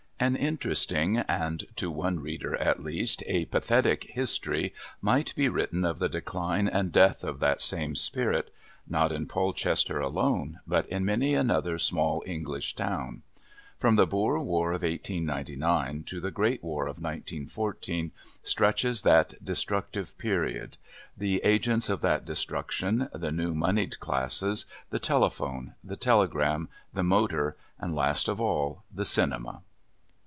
An interesting and, to one reader at least, a pathetic history might be written of the decline and death of that same spirit not in Polchester alone, but in many another small English town. From the Boer War of 1899 to the Great War of 1914 stretches that destructive period; the agents of that destruction, the new moneyed classes, the telephone, the telegram, the motor, and last of all, the cinema.